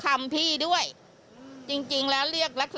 ครับทุกคำพี่ด้วย